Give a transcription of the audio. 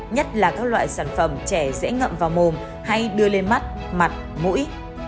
nhất là các loại sản phẩm trẻ dễ ngậm vào mồm hay đưa lên mắt mặt mũi